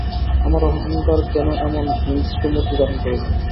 আমার অহংকার কেন এমন হিংস্রমূর্তি ধারণ করিল।